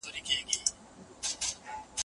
خاوندان تر طلاق وروسته ناوړه عواقب په پام کي نيسي.